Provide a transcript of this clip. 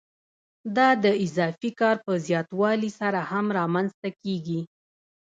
دا د اضافي کار په زیاتوالي سره هم رامنځته کېږي